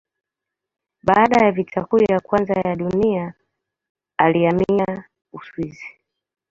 Baada ya Vita Kuu ya Kwanza ya Dunia alihamia Uswisi.